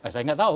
saya nggak tahu